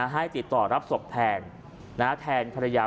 ให้ติดต่อรับศพแทนแทนภรรยาของพี่ชาย